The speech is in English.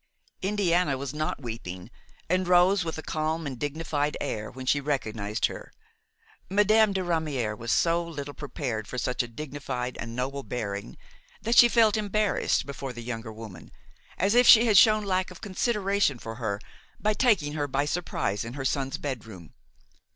Indiana was not weeping and rose with a calm and dignified air when she recognized her. Madame de Ramière was so little prepared for such a dignified and noble bearing, that she felt embarrassed before the younger woman, as if she had shown lack of consideration for her by taking her by surprise in her son's bedroom.